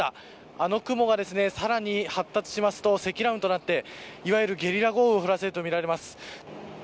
あの雲がさらに発達しますと積乱雲となって、いわゆるゲリラ豪雨を降らせるとみられます。